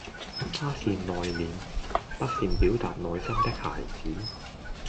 他是內歛、不善表逹內心的孩子